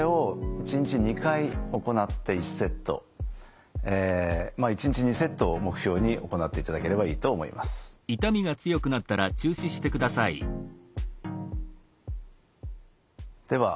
１日２セットを目標に行っていただければいいと思います。